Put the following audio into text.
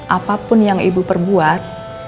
apapun yang ibu perbuat